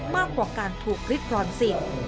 มากกว่าการถูกริกรอนสิทธิ์